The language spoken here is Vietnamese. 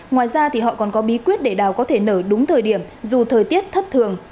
ngoài ra thì họ còn có bí quyết để đào có thể nở đúng thời điểm dù thời tiết thất thường